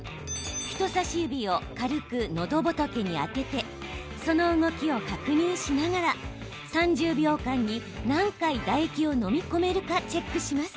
人さし指を軽くのどぼとけに当てて、その動きを確認しながら３０秒間に何回、唾液を飲み込めるかチェックします。